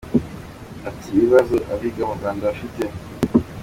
Ati Ibibazo abiga mu Rwanda bafite.